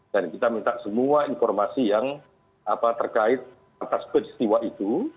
dan kita minta semua informasi yang terkait atas peristiwa itu